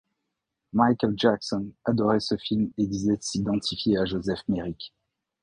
Michael Jackson adorait ce film et disait s'identifier à Joseph Merrick.